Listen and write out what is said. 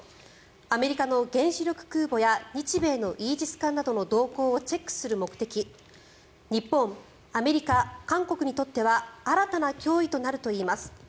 アメリカの原子力空母や日米のイージス艦などの動向をチェックする目的日本、アメリカ、韓国にとっては新たな脅威となるといいます。